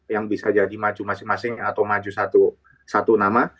yang bisa jadi maju masing masing atau maju satu nama